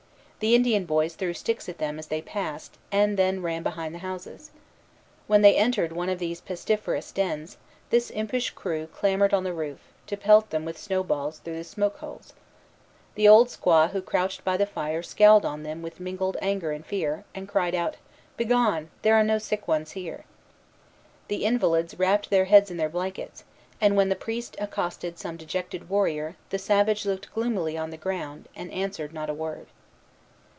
The Indian boys threw sticks at them as they passed, and then ran behind the houses. When they entered one of these pestiferous dens, this impish crew clambered on the roof, to pelt them with snowballs through the smoke holes. The old squaw who crouched by the fire scowled on them with mingled anger and fear, and cried out, "Begone! there are no sick ones here." The invalids wrapped their heads in their blankets; and when the priest accosted some dejected warrior, the savage looked gloomily on the ground, and answered not a word.